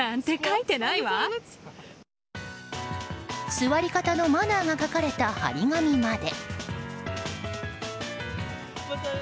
座り方のマナーが書かれた貼り紙まで。